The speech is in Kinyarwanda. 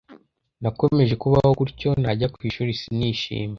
Nakomeje kubaho gutyo najya ku ishuri sinishime